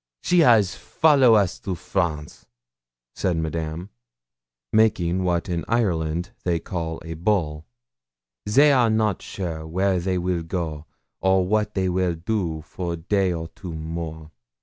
she has follow us to France,' said Madame, making what in Ireland they call a bull. 'They are not sure where they will go or what will do for day or two more.